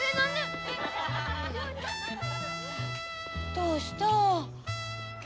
どうした？